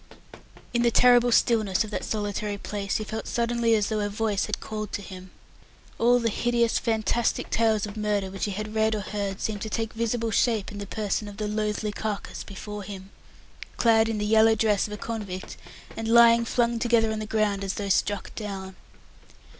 In the terrible stillness of that solitary place he felt suddenly as though a voice had called to him. All the hideous fantastic tales of murder which he had read or heard seemed to take visible shape in the person of the loathly carcase before him, clad in the yellow dress of a convict, and lying flung together on the ground as though struck down.